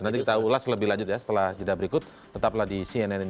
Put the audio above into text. satu satunya adalah pelaksanaan